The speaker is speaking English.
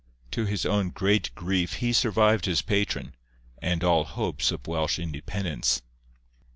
To his own great grief he survived his patron, and all hopes of Welsh independence.